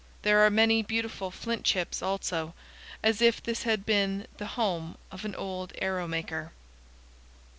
There are many beautiful flint chips, also, as if this had been the home of an old arrow maker.